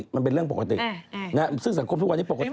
มันเป็นเรื่องปกติซึ่งสังคมทุกวันนี้ปกติ